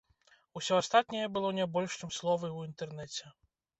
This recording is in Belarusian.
Усё астатняе было не больш чым словы ў інтэрнэце.